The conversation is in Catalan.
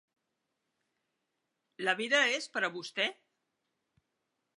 La vida és per a vostè?